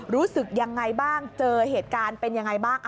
รู้สึกยังไงบ้างเจอเหตุการณ์เป็นยังไงบ้าง